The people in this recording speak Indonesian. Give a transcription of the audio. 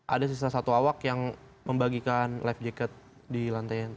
ada sisa satu awak yang membagikan life jacket di lantai tiga